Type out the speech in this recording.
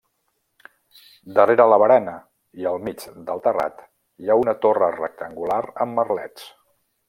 Darrere la barana i al mig del terrat hi ha una torre rectangular amb merlets.